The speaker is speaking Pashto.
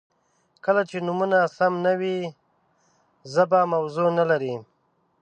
• کله چې نومونه سم نه وي، ژبه موضوع نهلري.